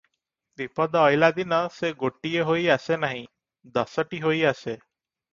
ବିପଦ ଅଇଲା ଦିନ ସେ ଗୋଟିଏ ହୋଇ ଆସେ ନାହିଁ- ଦଶଟି ହୋଇ ଆସେ ।